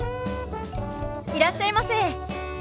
いらっしゃいませ。